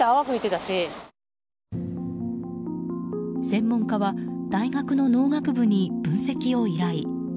専門家は大学の農学部に分析を依頼。